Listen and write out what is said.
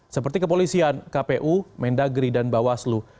seperti kepolisian kpu mendagri dan bawaslu